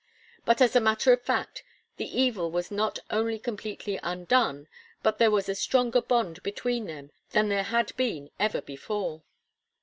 But as a matter of fact, the evil was not only completely undone, but there was a stronger bond between them than there had ever been before.